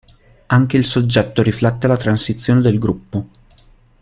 Anche il soggetto riflette la transizione del gruppo.